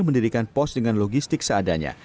mendirikan pos dengan logistik seadanya